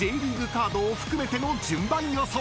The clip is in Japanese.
カードを含めての順番予想］